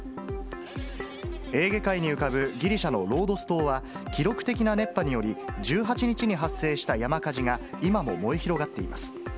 エーゲ海に浮かぶギリシャのロードス島は、記録的な熱波により、１８日に発生した山火事が、今も燃え広がっています。